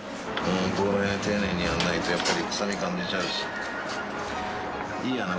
この辺丁寧にやんないとやっぱり臭み感出ちゃうし。